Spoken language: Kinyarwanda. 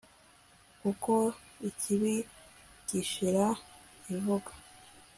kuko ikibi gishira vuba